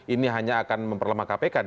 ini hanya akan memperlemah kpk